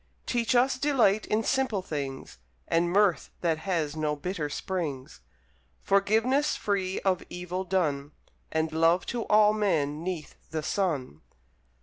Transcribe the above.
Teach us Delight in simple things, And Mirth that has no bitter springs, Forgiveness free of evil done, And Love to all men 'neath the sun!